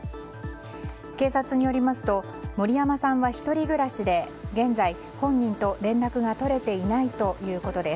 警察によりますと森山さんは１人暮らしで現在、本人と連絡がとれいないということです。